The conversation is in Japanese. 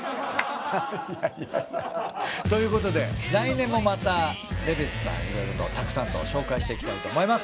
ということで来年もまたレベチさんいろいろとたくさんと紹介していきたいと思います。